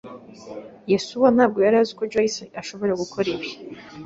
Yesuwa ntabwo yari azi ko Joyce ashobora gukora ibi.